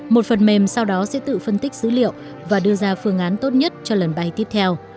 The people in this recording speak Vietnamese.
một phần mềm sau đó sẽ tự phân tích dữ liệu và đưa ra phương án tốt nhất cho lần bay tiếp theo